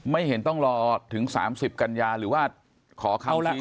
ไม่เห็นต้องรอถึง๓๐กันยาหรือว่าขอคำสีแจ้งแบบตรงตรงนี้